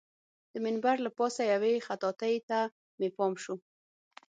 د منبر له پاسه یوې خطاطۍ ته مې پام شو.